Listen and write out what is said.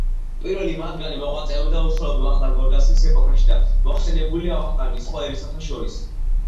პირველი მათგანი მოღვაწეობდა უშუალოდ ვახტანგ გორგასლის ეპოქაში და მოხსენიებულია ვახტანგის სხვა ერისთავთა შორის.